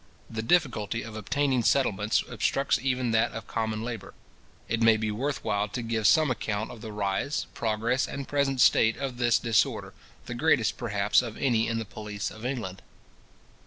The difficulty of obtaining settlements obstructs even that of common labour. It may be worth while to give some account of the rise, progress, and present state of this disorder, the greatest, perhaps, of any in the police of England.